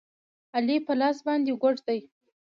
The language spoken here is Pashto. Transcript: علي په لاس باندې ګوډ دی.